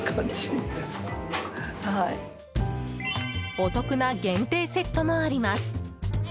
お得な限定セットもあります。